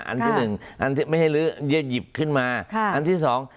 อันที่หนึ่งอันที่ไม่ให้ลื้ออันนี้หยิบขึ้นมาค่ะอันที่สอง